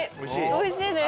おいしいです！